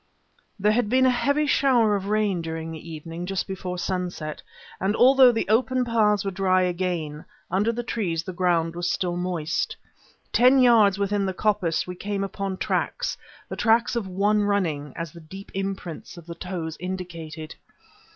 There had been a heavy shower of rain during the evening just before sunset, and although the open paths were dry again, under the trees the ground was still moist. Ten yards within the coppice we came upon tracks the tracks of one running, as the deep imprints of the toes indicated.